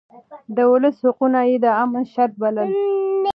د ولس حقونه يې د امن شرط بلل.